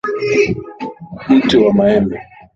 Mti wa maembe.